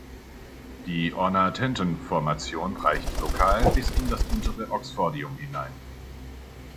Die Ornatenton-Formation reicht lokal bis in das untere Oxfordium hinein.